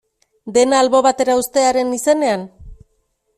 Dena albo batera uztearen izenean?